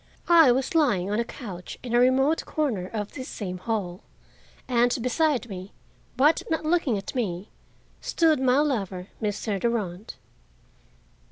I was lying on a couch in a remote corner of this same hall and beside me, but not looking at me, stood my lover, Mr. Durand.